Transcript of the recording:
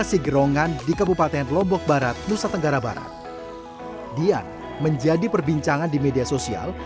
sigrongan di kabupaten lombok barat nusa tenggara barat dian menjadi perbincangan di media sosial